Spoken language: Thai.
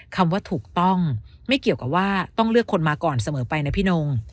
คำว่าถูกต้องไม่เกี่ยวกับว่าต้องเลือกคนมาก่อนเสมอไปนะพี่นง